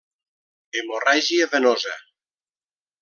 Hemorràgia Venosa: